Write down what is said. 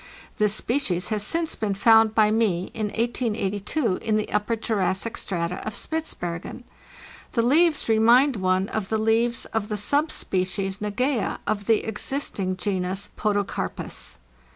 This species has since been found by me in 1882 in the Upper Jurassic strata of Spitzbergen. The leaves remind one of the leaves of the subspecies xageza of the existing genus Podocarpus.